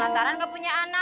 lantaran gak punya anak